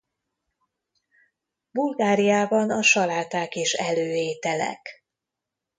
Bulgáriában a saláták is előételek.